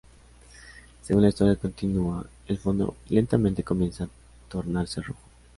Según la historia continúa, el fondo lentamente comienza a tornarse rojo.